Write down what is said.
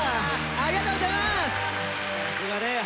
ありがとうございます。